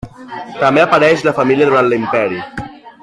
També apareix la família durant l'Imperi.